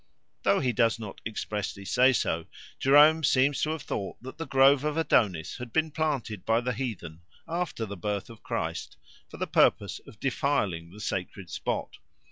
Though he does not expressly say so, Jerome seems to have thought that the grove of Adonis had been planted by the heathen after the birth of Christ for the purpose of defiling the sacred spot.